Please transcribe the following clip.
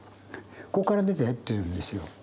「こっから出て」って言うんですよ。